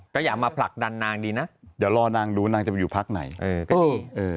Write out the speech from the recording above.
ก็อย่ามาผลักดันนางดีนะเดี๋ยวรอนางดูนางจะไปอยู่พักไหนเออก็ดี